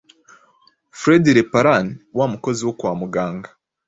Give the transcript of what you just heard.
fred leparan wamukozi wo kwa muganga